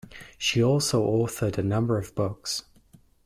She also authored a number of books.